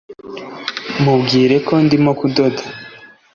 mubwire ko ndimo kudoda